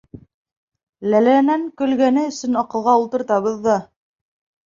Ләләнән көлгәне өсөн аҡылға ултыртабыҙ ҙа.